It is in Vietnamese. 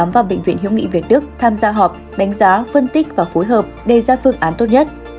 và bệnh viện hiệu nghị việt đức tham gia họp đánh giá phân tích và phối hợp đề ra phương án tốt nhất